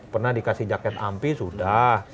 pernah dikasih jaket ampi sudah